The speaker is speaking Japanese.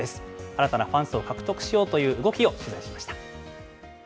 新たなファン層を獲得しようという動きを取材しました。